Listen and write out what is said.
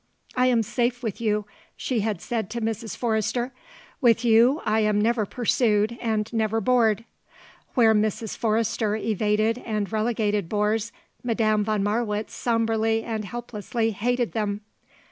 "I am safe with you," she had said to Mrs. Forrester, "with you I am never pursued and never bored." Where Mrs. Forrester evaded and relegated bores, Madame von Marwitz sombrely and helplessly hated them.